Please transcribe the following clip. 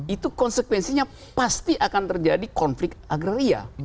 itu konsekuensinya pasti akan terjadi konflik agraria